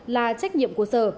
là trách nhiệm của sở